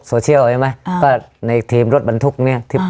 โซเชียลเห็นไหมอ่าก็ในทีมรถบรรทุกเนี้ยอ่า